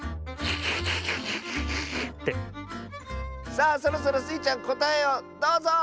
さあそろそろスイちゃんこたえをどうぞ！